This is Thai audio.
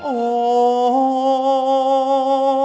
โอ้โอ้โอ้โอ้โอ้